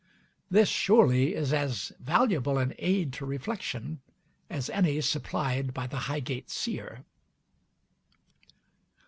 This surely is as valuable an "aid to reflection" as any supplied by the Highgate seer.